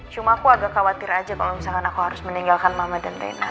cuma aku agak khawatir aja kalau misalkan aku harus meninggalkan mama dan tena